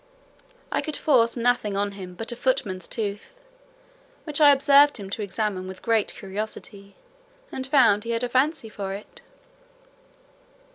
I could force nothing on him but a footman's tooth, which I observed him to examine with great curiosity, and found he had a fancy for it.